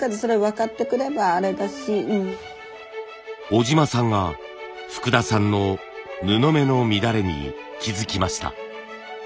小島さんが福田さんの布目の乱れに気付きました。